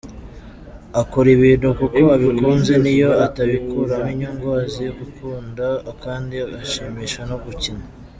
Akora ibintu kuko abikunze niyo atabikuramo inyungu, azi gukunda kandi ashimishwa no gukina.